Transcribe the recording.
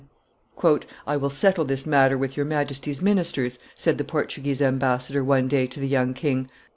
]" I will settle this matter with your Majesty's ministers," said the Portuguese ambassador one day to the young king.